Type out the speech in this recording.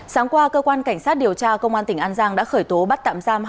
sáng qua cơ quan cảnh sát điều tra công an tỉnh an giang đã khởi tố bắt tạm giam